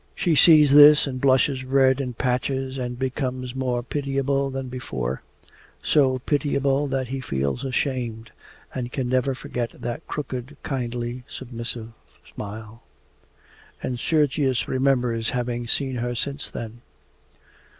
She sees this and blushes red in patches and becomes more pitiable than before, so pitiable that he feels ashamed and can never forget that crooked, kindly, submissive smile. And Sergius remembered having seen her since then.